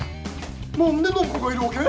何で暢子がいるわけ？